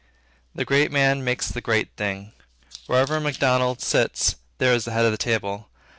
The great man makes the great thing. Wherever Macdonald sits, there is the head of the table.